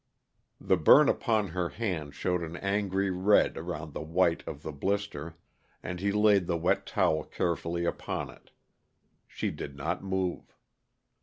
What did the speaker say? The burn upon her hand showed an angry red around the white of the blister, and he laid the wet towel carefully upon it. She did not move.